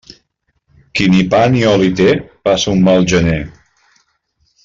Qui ni pa ni oli té, passa un mal gener.